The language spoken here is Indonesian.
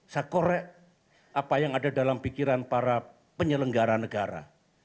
saya korek apa yang ada dalam pikiran para penyelenggara negara